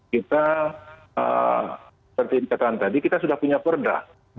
kita seperti dikatakan tadi kita sudah punya perda